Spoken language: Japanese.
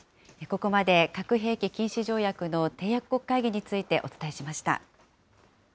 ここまで核兵器禁止条約の締約国会議についてお伝えしました。